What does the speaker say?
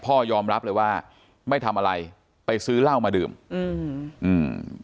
พ่อยอมรับเลยว่าไม่ทำอะไรไปซื้อเหล้ามาดื่มอืมอืม